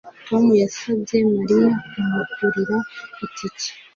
Tom yasabye Mariya kumugurira itike